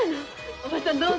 おばさんどうぞ。